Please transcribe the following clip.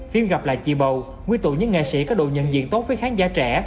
phim gặp lại chị bầu nguyên tụ những nghệ sĩ có độ nhận diện tốt với khán giả trẻ